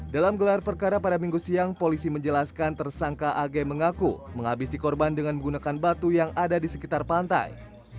dalam gelar perkara pada minggu siang polisi menjelaskan tersangka ag mengaku menghabisi korban dengan menggunakan batu yang ada di sekitar pantai